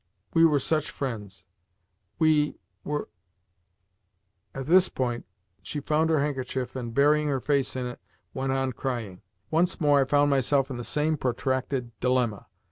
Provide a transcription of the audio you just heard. We were such friends! We we " At this point she found her handkerchief, and, burying her face in it, went on crying. Once more I found myself in the same protracted dilemma.